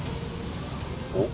おっ？